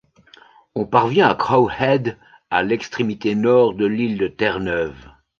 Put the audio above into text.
On parvient à Crow Head à l'extrémité nord de l'île de Terre-Neuve.